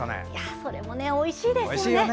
それもおいしいですよね。